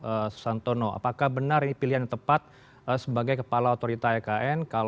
pak susantono apakah benar ini pilihan yang tepat sebagai kepala otorita ekn